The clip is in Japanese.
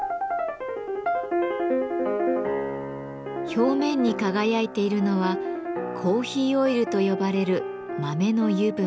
表面に輝いているのは「コーヒーオイル」と呼ばれる豆の油分。